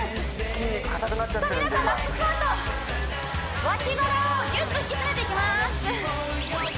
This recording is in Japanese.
筋肉硬くなっちゃってるんで今さあ皆さんラストスパート脇腹をギュッと引き締めていきます